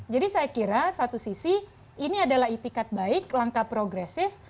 jadi saya kira satu sisi ini adalah itikat baik langkah progresif